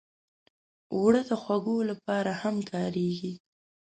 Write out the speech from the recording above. اوړه د خوږو لپاره هم کارېږي